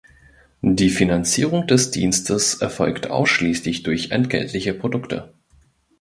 Die Finanzierung des Dienstes erfolgt ausschliesslich durch entgeltliche Produkte.